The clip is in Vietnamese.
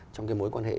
trong cái mối quan hệ